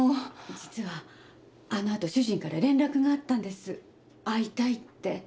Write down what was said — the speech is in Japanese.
実はあのあと主人から連絡があったんです会いたいって。